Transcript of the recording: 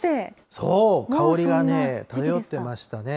そう、香りがね、漂ってましたね。